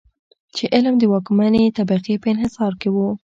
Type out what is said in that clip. چې علم د واکمنې طبقې په انحصار کې و.